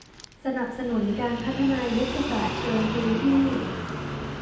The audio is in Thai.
สนับสนุนการพัฒนายุทธศาสตร์เชิงพื้นที่